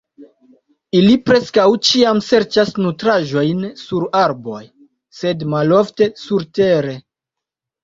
Ili preskaŭ ĉiam serĉas nutraĵojn sur arboj, sed malofte surtere.